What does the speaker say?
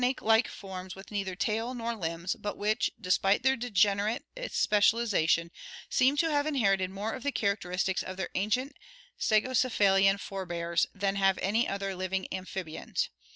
(From Jordan *i6 ORGANIC EVOLUTION snake like forms with neither tail nor limbs, but which, despite their degenerate specialization, seem to have inherited more of the characteristics of their ancient stegocephalian forebears than have any other living amphibians.